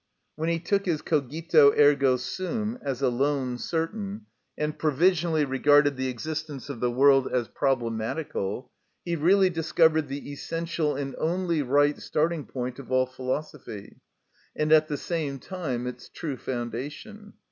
When he took his cogito ergo sum as alone certain, and provisionally regarded the existence of the world as problematical, he really discovered the essential and only right starting point of all philosophy, and at the same time its true foundation.